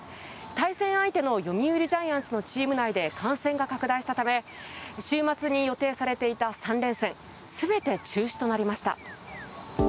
対戦相手の読売ジャイアンツのチーム内で感染が拡大したため週末に予定されていた３連戦全て中止となりました。